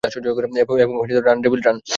এবং "run devil run".